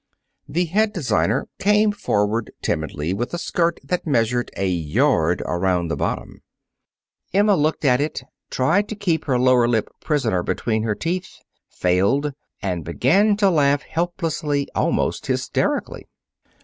The head designer came forward timidly with a skirt that measured a yard around the bottom. Emma looked at it, tried to keep her lower lip prisoner between her teeth, failed, and began to laugh helplessly, almost hysterically.